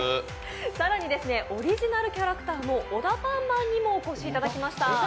更にオリジナルキャラクターのオダパンマンにもお越しいただきました。